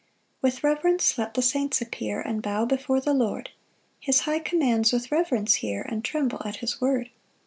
1 With reverence let the saints appear And bow before the Lord, His high commands with reverence hear, And tremble at his word.